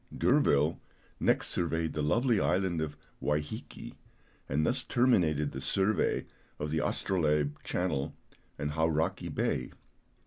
D'Urville next surveyed the lovely island of Wai hiki, and thus terminated the survey of the Astrolabe Channel and Hauraki Bay.